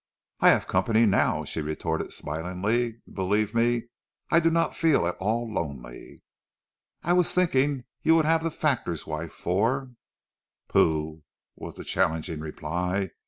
"I have company now," she retorted smilingly, "and believe me I do not feel at all lonely." "I was thinking you would have the factor's wife for " "Pooh!" was the challenging reply.